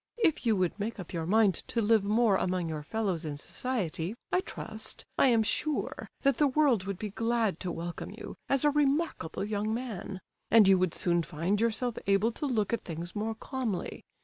If you would make up your mind to live more among your fellows in society, I trust, I am sure, that the world would be glad to welcome you, as a remarkable young man; and you would soon find yourself able to look at things more calmly.